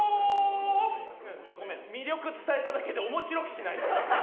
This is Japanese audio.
ごめん魅力伝えただけで面白くしないと。